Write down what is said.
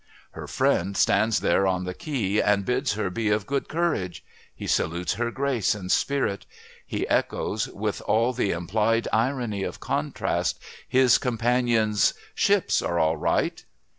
Her friend stands there on the quay and bids her be of good courage; he salutes her grace and spirit he echoes, with all the implied irony of contrast, his companion's "Ships are all right...."